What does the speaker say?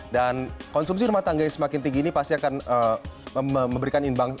dan konsumsi rumah tangga yang semakin tinggi ini pasti akan memberikan